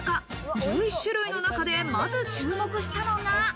１１種類の中でまず注目したのが。